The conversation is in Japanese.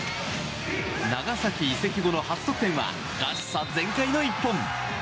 長崎移籍後の初得点はらしさ全開の１本！